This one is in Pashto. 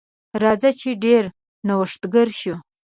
راځه چې ډیر نوښتګر شو.